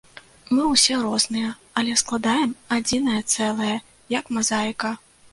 Мы ўсе розныя, але складаем адзінае цэлае, як мазаіка.